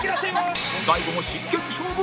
大悟も真剣勝負